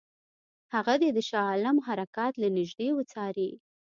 هغه دې د شاه عالم حرکات له نیژدې وڅاري.